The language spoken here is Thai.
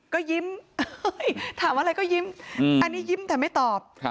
ก็ยิ้มถามอะไรก็ยิ้มอันนี้ยิ้มแต่ไม่ตอบ